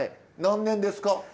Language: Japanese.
何年ですか？